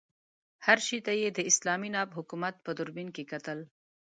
هر شي ته یې د اسلامي ناب حکومت په دوربین کې کتل.